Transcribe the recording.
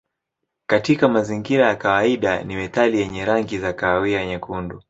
Katika mazingira ya kawaida ni metali yenye rangi ya kahawia nyekundu.